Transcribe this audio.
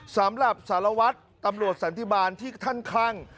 สำหรับสารวัตรตำรวจสันติบาลที่ท่านคลั่ง